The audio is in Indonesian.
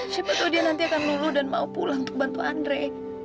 siapa tuh dia nanti akan luluh dan mau pulang untuk bantu andre